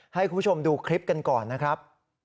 ให้คุณผู้ชมดูคลิปกันก่อนนะครับ